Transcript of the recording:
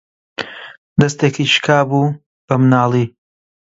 دەستێکی شکا بوو بە مناڵی